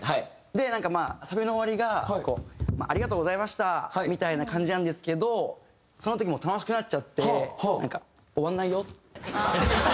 でなんかまあサビの終わりがこう「ありがとうございました」みたいな感じなんですけどその時もう楽しくなっちゃってなんか「終わんないよ」。